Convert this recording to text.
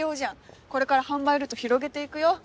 これから販売ルート広げていくよ。